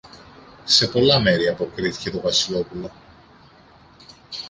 Σε πολλά μέρη, αποκρίθηκε το Βασιλόπουλο.